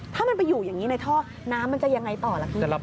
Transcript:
ถ้ามันไปอยู่อย่างนี้ในท่อน้ำมันจะยังไงต่อล่ะคุณ